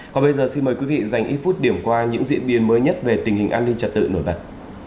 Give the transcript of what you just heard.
còn bây giờ xin mời quý vị dành ít phút điểm qua những diễn biến mới nhất về tình hình an ninh trật tự nổi bật